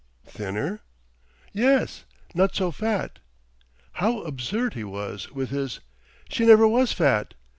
"Thinner?" "Yes, not so fat." How absurd he was with his "She never was fat."